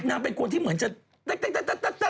นางเป็นคนที่เหมือนจะเต๊ะ